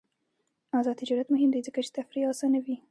آزاد تجارت مهم دی ځکه چې تفریح اسانوي.